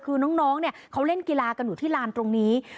คือน้องเนี่ยเขาเล่นกีฬากันอยู่ที่ลานตรงนี้